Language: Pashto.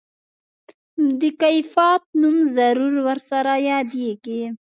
نو د کيپات نوم ضرور ورسره يادېږي.